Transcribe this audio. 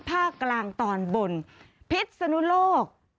ภาคกลางตอนบนพิษนุโลก